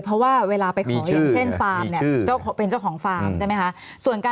เพราะว่าเวลาไปขออย่างเช่นฟาร์มเนี่ยเป็นเจ้าของฟาร์มใช่ไหมคะ